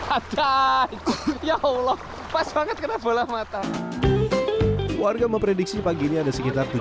apa ya allah pas banget kena bola mata warga memprediksi pagi ini ada sekitar